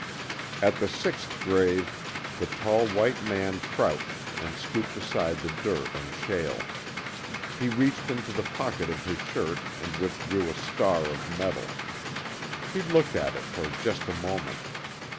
At the sixth grave, the tall white man crouched and scooped aside the dirt and shale. He reached into the pocket of his shirt and withdrew a star of metal. He looked at it for just a moment.